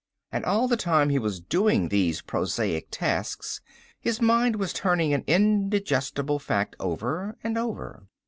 And all the time he was doing these prosaic tasks his mind was turning an indigestible fact over and over.